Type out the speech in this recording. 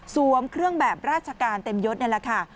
เครื่องแบบราชการเต็มยศนี่แหละค่ะ